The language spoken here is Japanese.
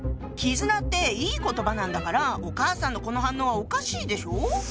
「絆」っていい言葉なんだからお母さんのこの反応はおかしいでしょ？